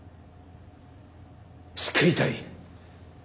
救いたい。